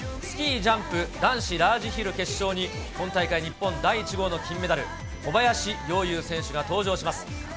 スキージャンプ男子ラージヒル決勝に、今大会日本第１号の金メダル、小林陵侑選手が登場します。